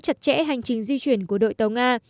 chặt chẽ hành trình di chuyển của đội tàu nga